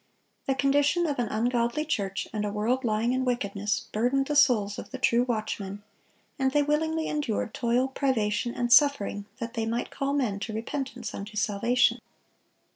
The condition of an ungodly church and a world lying in wickedness, burdened the souls of the true watchmen, and they willingly endured toil, privation, and suffering, that they might call men to repentance unto salvation.